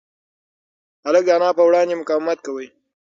هلک د انا په وړاندې مقاومت کاوه.